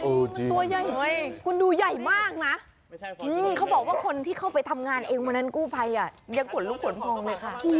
ตัวใหญ่เลยคุณดูใหญ่มากนะเขาบอกว่าคนที่เข้าไปทำงานเองวันนั้นกู้ภัยยังขนลุกขนพองเลยค่ะ